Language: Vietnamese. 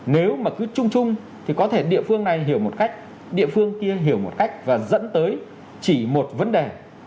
nếu mà cứ chung chung thì có thể địa phương này hiểu một cách địa phương kia hiểu một cách và dẫn tới chỉ một vấn đề